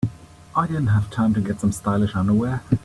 I didn't have time to get some stylish underwear.